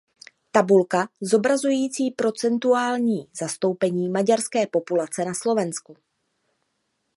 Tabulka zobrazující procentuální zastoupení maďarské populace na Slovensku.